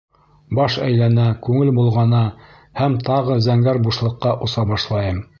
Баш әйләнә, күңел болғана, һәм тағы зәңгәр бушлыҡҡа оса башлайым.